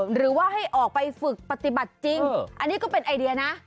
หรือว่าให้ออกไปฝึกปฏิบัติจริงอันนี้ก็เป็นไอเดียนะ